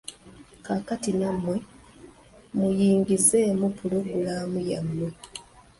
Kaakati nnammwe muyingizeemu puloguraamu yammwe.